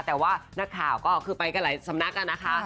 แต่ว่านักข่าวก็คือไปกันหลายสำนักอะนะคะ